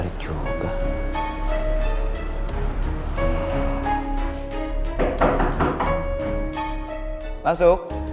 tidak ada yang ngerasa